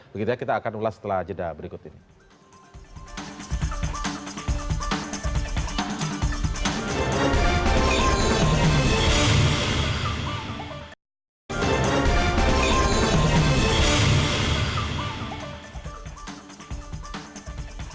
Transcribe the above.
begitulah kita akan ulas setelah jeda berikut ini